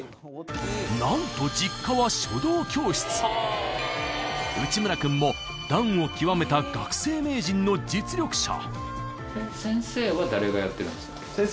なんと内村君も段を極めた学生名人の実力者